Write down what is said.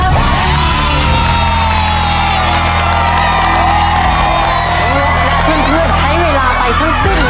แล้วพี่น้องเพื่อนใช้เวลาไปทั้งสิ้น